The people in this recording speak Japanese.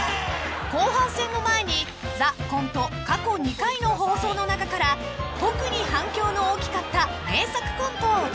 ［後半戦の前に『ＴＨＥＣＯＮＴＥ』過去２回の放送の中から特に反響の大きかった名作コントをお届けします］